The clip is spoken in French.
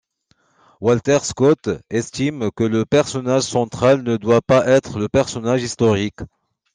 Walter Scott estime que le personnage central ne doit pas être le personnage historique.